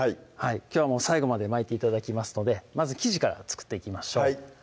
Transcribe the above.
きょうは最後まで巻いて頂きますのでまず生地から作っていきましょうはい